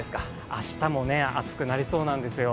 明日も暑くなりそうなんですよ。